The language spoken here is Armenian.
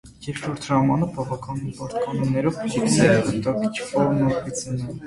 Երկրորդ հրամանը բավականին բարդ կանոններով փոխում է «կուտակչի» պարունակությունը։